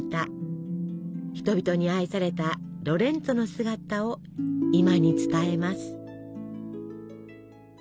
人々に愛されたロレンツォの姿を今に伝えます。